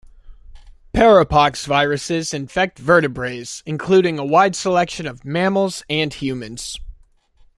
Parapoxviruses infect vertebrates, including a wide selection of mammals, and humans.